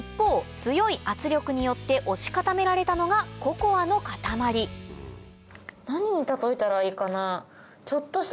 強い圧力によって押し固められたのが何に例えたらいいかな？